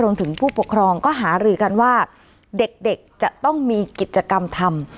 ถึงผู้ปกครองก็หารือกันว่าเด็กจะต้องมีกิจกรรมทำ